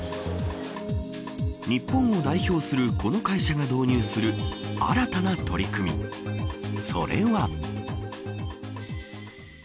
日本を代表するこの会社が導入する新たな取り組みそれは。